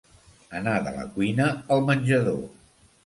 Anar de la cuina al menjador.